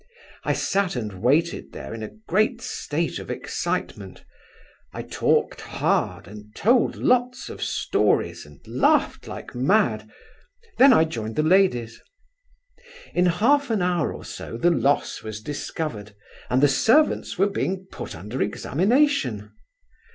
I sat and waited there in a great state of excitement. I talked hard, and told lots of stories, and laughed like mad; then I joined the ladies. "In half an hour or so the loss was discovered, and the servants were being put under examination.